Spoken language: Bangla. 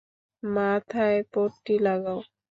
মাথায় পট্টি লাগাও।